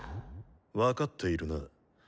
分かっているな？